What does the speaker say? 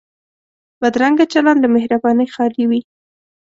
بدرنګه چلند له مهربانۍ خالي وي